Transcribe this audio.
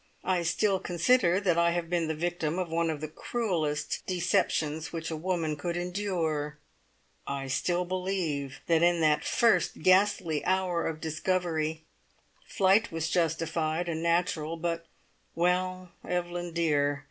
I still consider that I have been the victim of one of the cruellest deceptions which a woman could endure; I still believe that in that first ghastly hour of discovery, flight was justified and natural, but Well, Evelyn, dear!